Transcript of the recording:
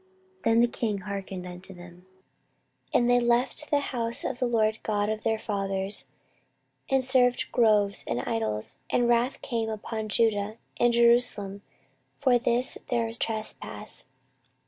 Then the king hearkened unto them. 14:024:018 And they left the house of the LORD God of their fathers, and served groves and idols: and wrath came upon Judah and Jerusalem for this their trespass.